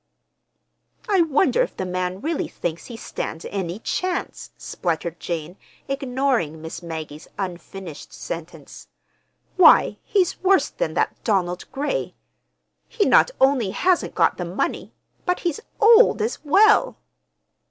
"I wonder if the man really thinks he stands any chance," spluttered Jane, ignoring Miss Maggie's unfinished sentence. "Why, he's worse than that Donald Gray. He not only hasn't got the money, but he's old, as well."